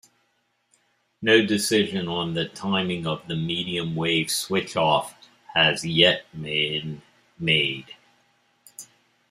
No decision on the timing of the medium wave switch-off has yet been made.